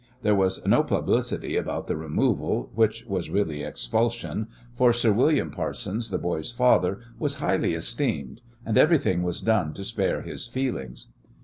There was no publicity about the "removal" which was really expulsion for Sir William Parsons, the boy's father, was highly esteemed, and everything was done to spare his feelings.